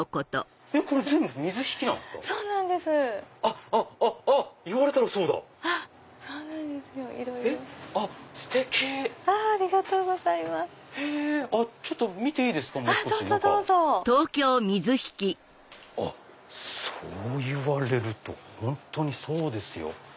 あっそういわれると本当にそうですよ。